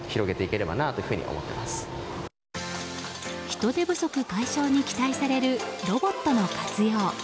人手不足解消に期待されるロボットの活用。